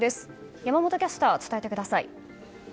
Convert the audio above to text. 山本キャスター、伝えてください。